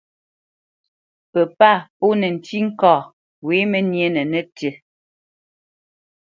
Pə pâ pó nətí kâ wě məníénə nətí.